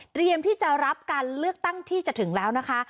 ที่จะรับการเลือกตั้งที่จะถึงแล้วนะคะ